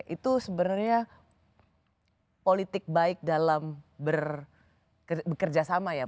itu sebenernya politik baik dalam bekerjasama ya pak